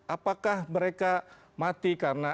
apakah mereka mati karena